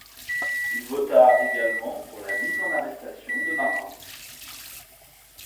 Il vota également pour la mise en arrestation de Marat.